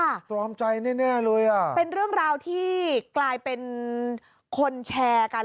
ตรอมใจแน่แน่เลยอ่ะเป็นเรื่องราวที่กลายเป็นคนแชร์กัน